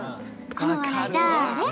この笑いだれ？